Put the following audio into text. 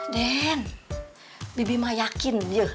aden bibi mah yakin yeh